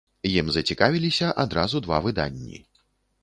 Ім зацікавіліся адразу два выданні.